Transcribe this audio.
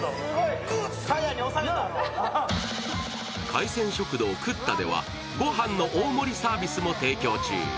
海鮮食堂ＫＵＴＴＡでは、御飯の大盛サービスも提供中。